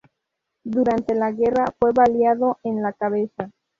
Durante la guerra fue baleado en la cabeza.